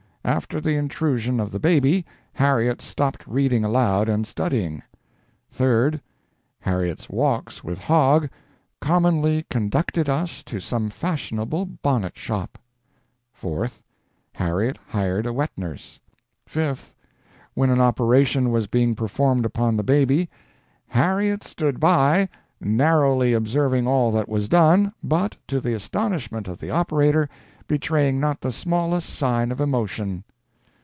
After the intrusion of the baby, Harriet stopped reading aloud and studying. 3d. Harriet's walks with Hogg "commonly conducted us to some fashionable bonnet shop." 4th. Harriet hired a wet nurse. 5th. When an operation was being performed upon the baby, "Harriet stood by, narrowly observing all that was done, but, to the astonishment of the operator, betraying not the smallest sign of emotion."